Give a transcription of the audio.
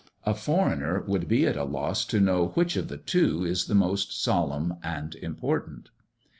A foreigner would be at a loss to know which of the two is the most solemn and important.